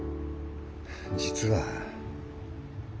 実は。